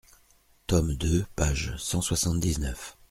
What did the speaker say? Tome deux, page cent soixante-dix-neuf.